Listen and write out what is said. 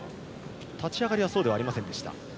立ち上がりはそうではありませんでした。